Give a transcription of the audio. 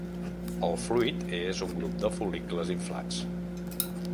El fruit és un grup de fol·licles inflats.